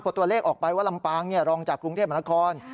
พอตัวเลขออกไปว่าลำปางรองจากกรุงเทพมหานคร